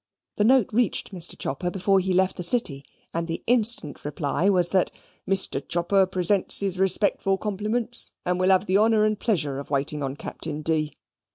The note reached Mr. Chopper before he left the City, and the instant reply was, that "Mr. Chopper presents his respectful compliments, and will have the honour and pleasure of waiting on Captain D."